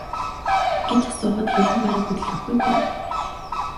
гэж асуухад хэл нь бараг хөдлөхгүй байв.